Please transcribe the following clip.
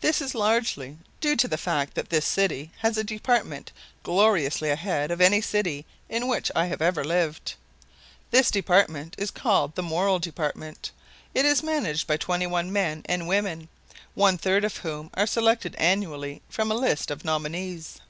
This is largely due to the fact that this city has a department gloriously ahead of any city in which I have ever lived. This department is called the Moral Department. It is managed by twenty one men and women, one third of whom are selected annually from a list of nominees.